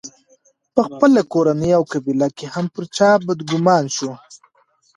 په خپله کورنۍ او قبیله کې هم پر چا بدګومان شو.